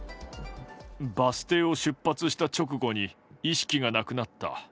バス停を出発した直後に意識がなくなった。